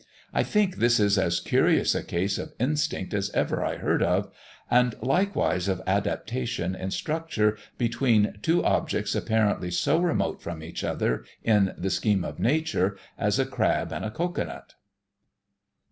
I think this is as curious a case of instinct as ever I heard of, and likewise of adaptation in structure between two objects apparently so remote from each other in the scheme of nature, as a crab and a cocoa nut."